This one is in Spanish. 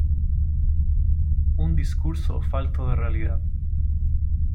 un discurso falto de realidad